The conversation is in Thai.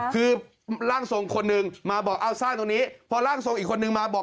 คือร่างทรงคนหนึ่งมาบอกเอาสร้างตรงนี้พอร่างทรงอีกคนนึงมาบอก